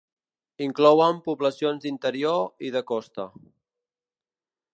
Inclouen poblacions d’interior i de costa.